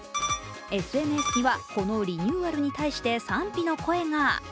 ＳＮＳには、このリニューアルに対して賛否の声が。